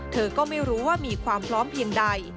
เธอก็ไม่รู้ว่ามีความพร้อมเพียงใด